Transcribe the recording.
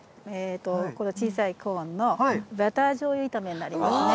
この小さいコーンのバターじょうゆ炒めになりますね。